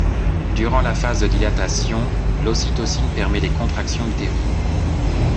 Durant la phase de dilatation, l’ocytocine permet les contractions utérines.